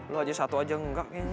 lu aja satu aja nggak kayaknya